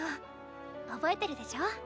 覚えてるでしょ？